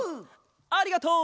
ありがとう！